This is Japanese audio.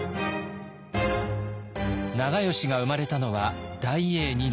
長慶が生まれたのは大永２年。